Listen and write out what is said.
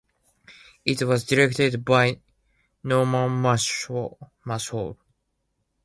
It was directed by Norman Marshall.